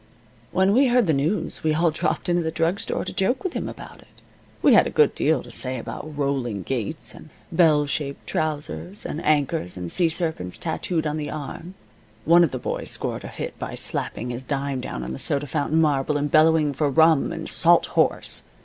When we heard the news we all dropped in at the drug store to joke with him about it. We had a good deal to say about rolling gaits, and bell shaped trousers, and anchors and sea serpents tattooed on the arm. One of the boys scored a hit by slapping his dime down on the soda fountain marble and bellowing for rum and salt horse.